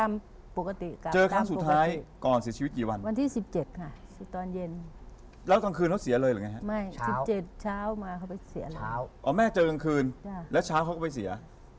อ๋อแม่เจอกลางคืนและเช้าก็ไปเสีย